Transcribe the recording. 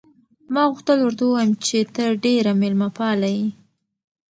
ما غوښتل ورته ووایم چې ته ډېره مېلمه پاله یې.